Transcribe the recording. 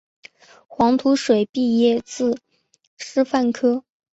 黄土水毕业自师范科